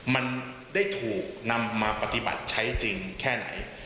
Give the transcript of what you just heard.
มันได้ถูกนำมาปฏิบัติใช้จริงแค่ไหน